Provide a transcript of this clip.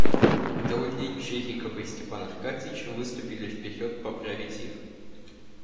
Долли, Чириков и Степан Аркадьич выступили вперед поправить их.